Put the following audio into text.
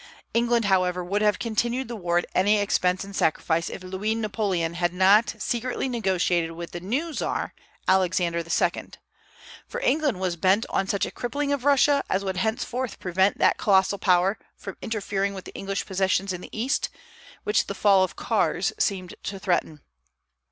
England, however, would have continued the war at any expense and sacrifice if Louis Napoleon had not secretly negotiated with the new Czar, Alexander II.; for England was bent on such a crippling of Russia as would henceforth prevent that colossal power from interfering with the English possessions in the East, which the fall of Kars seemed to threaten.